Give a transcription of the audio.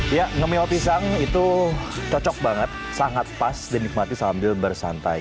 ya ngemil pisang itu cocok banget sangat pas dan nikmati sambil bersantai